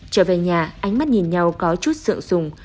trở về nhà ánh mắt nhìn nhau có chút sợ sùng